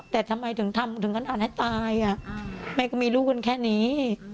แต่ทำไมถึงทำถึงขนาดให้ตายแม่ก็มีลูกกันแค่นี้